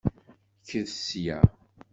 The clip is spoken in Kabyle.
Kkret sya!